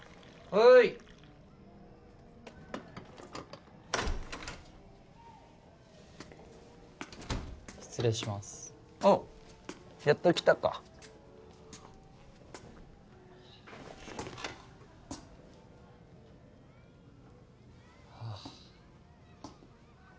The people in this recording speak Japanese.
おうやっと来たかああ